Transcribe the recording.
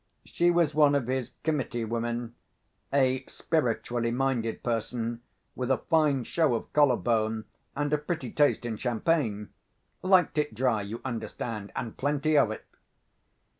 She was one of his committee women—a spiritually minded person, with a fine show of collar bone and a pretty taste in champagne; liked it dry, you understand, and plenty of it.